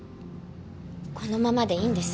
このままでいいんです。